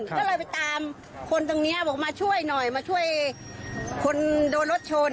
ก็เลยไปตามคนตรงนี้บอกมาช่วยหน่อยมาช่วยคนโดนรถชน